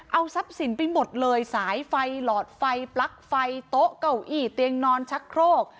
เอาทรัพย์สินไปหมดเลยสายไฟหลอดไฟปลั๊กไฟโต๊ะเก้าอี้เตียงนอนชักโครก